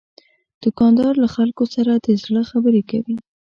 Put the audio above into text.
دوکاندار له خلکو سره د زړه خبرې کوي.